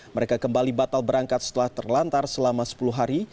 mereka kembali batal berangkat setelah terlantar selama sepuluh hari